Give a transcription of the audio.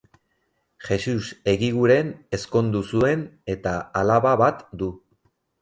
Jesus Egiguren ezkondu zuen eta alaba bat du.